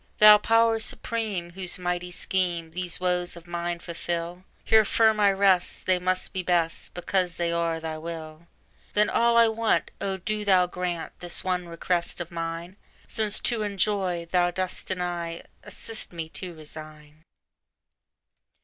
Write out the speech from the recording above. Thou Power Supreme, whose mighty scheme These woes of mine fulfil, Here firm I rest; they must be best, Because they are Thy will! Then all I want—O do Thou grant This one request of mine!— Since to enjoy Thou dost deny, Assist me to resign.